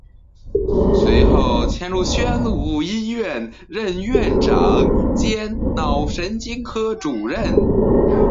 随后迁入宣武医院任院长兼脑神经科主任。